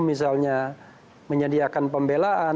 misalnya menyediakan pembelaan